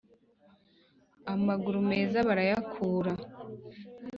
amaguru meza barayakura